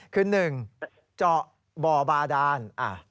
คือ๑เจาะบ่อบาดาน